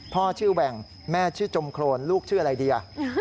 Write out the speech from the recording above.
พ่อชื่อแหว่งแม่ชื่อจมโครนลูกชื่ออะไรดี